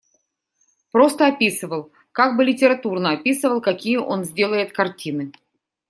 Просто описывал, как бы литературно описывал, какие он сделает картины.